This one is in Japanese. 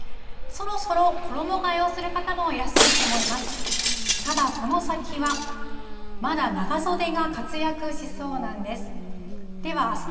そろそろ衣がえをする方もいらっしゃると思います。